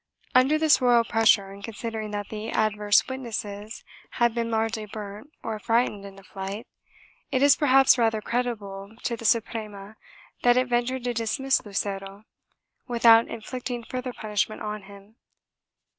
Under this royal pressure, and considering that the adverse witnesses had been largely burnt or frightened into flight, it is perhaps rather creditable to the Suprema that it ventured to dismiss Lucero, without inflicting further punishment on him.